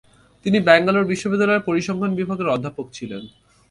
তিনি ব্যাঙ্গালোর বিশ্ববিদ্যালয়ের পরিসংখ্যান বিভাগের অধ্যাপক ছিলেন।